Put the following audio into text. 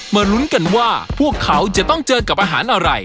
ลุ้นกันว่าพวกเขาจะต้องเจอกับอาหารอะไร